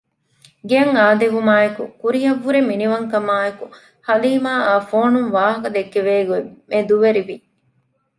ގެއަށް އާދެވުމާއެކު ކުރިއަށް ވުރެ މިނިވަން ކަމާއެކު ހަލީމައާ ފޯނުން ވާހަކަ ދެކެވޭ ގޮތް މެދުވެރިވި